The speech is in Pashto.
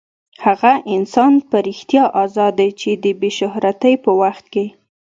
هغه انسان په رښتیا ازاد دی چې د بې شهرتۍ په وخت کې.